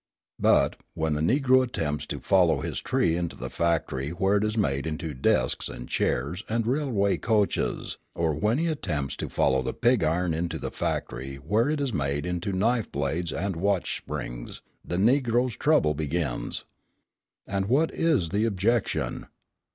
But, when the Negro attempts to follow this tree into the factory where it is made into desks and chairs and railway coaches, or when he attempts to follow the pig iron into the factory where it is made into knife blades and watch springs, the Negro's trouble begins. And what is the objection?